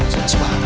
suas banget sam